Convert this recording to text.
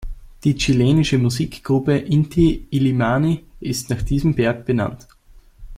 Die chilenische Musikgruppe Inti-Illimani ist nach diesem Berg benannt.